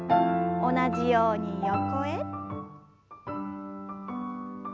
同じように横へ。